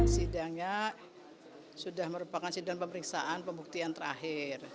sidangnya sudah merupakan sidang pemeriksaan pembuktian terakhir